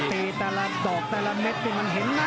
แต่ละดอกแต่ละเม็ดนี่มันเห็นนะ